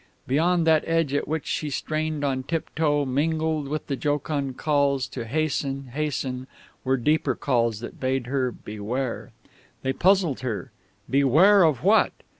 Beyond that edge at which she strained on tiptoe, mingled with the jocund calls to Hasten, Hasten, were deeper calls that bade her Beware. They puzzled her. Beware of what?